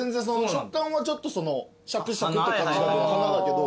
食感はちょっとシャクシャクって感じだけど花だけど。